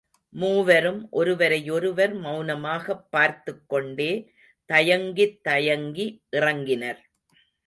மூவரும் ஒருவரையொருவர் மௌனமாகப் பார்த்துக்கொண்டே தயங்கித் தயங்கி இறங்கினர்.